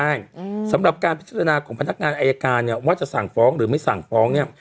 ใช่สำหรับการพิจารณาของพนักงานอายการเนี่ยว่าจะสั่งฟ้องหรือไม่สั่งฟ้องเนี่ย